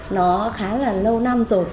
nó khá là lâu năm